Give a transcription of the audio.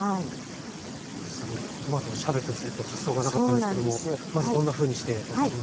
すごいトマトをシャーベットにするという発想がなかったんですけどもまずどんなふうにしてやっていきますか？